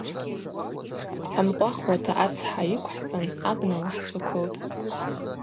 Хӏымкъвахуата ацхӏа йыквхӏцан абнала хӏджвыквылтӏ.